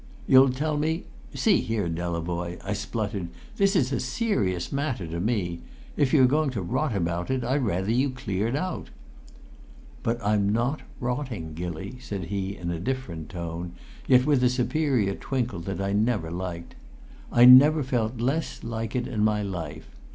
"You'll tell me see here, Delavoye!" I spluttered. "This is a serious matter to me; if you're going to rot about it I'd rather you cleared out!" "But I'm not rotting, Gilly," said he in a different tone, yet with a superior twinkle that I never liked. "I never felt less like it in my life.